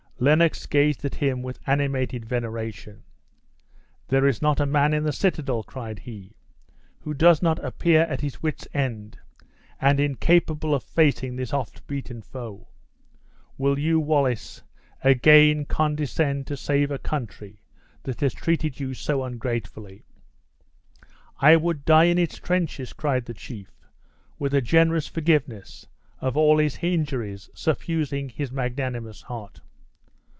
Lennox gazed at him with animated veneration. "There is not a man in the citadel," cried he, "who does not appear at his wits' end, and incapable of facing this often beaten foe. Will you, Wallace, again condescend to save a country that has treated you so ungratefully?" "I would die in its trenches!" cried the chief, with a generous forgiveness of all his injuries suffusing his magnanimous heart.